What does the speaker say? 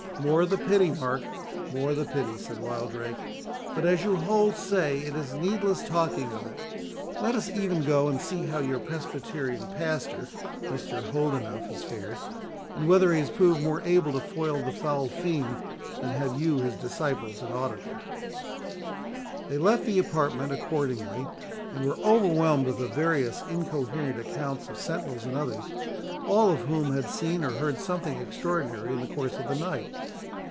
"More the pity, Mark, more the pity," said Wildrake; "but, as you say, it is needless talking of it. Let us e'en go and see how your Presbyterian pastor, Mr. Holdenough, has fared, and whether he has proved more able to foil the foul Fiend than have you his disciple and auditor." They left the apartment accordingly, and were overwhelmed with the various incoherent accounts of sentinels and others, all of whom had seen or heard something extraordinary in the course of the night.